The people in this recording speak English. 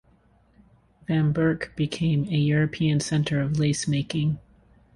Vamberk became a European centre of lace-making.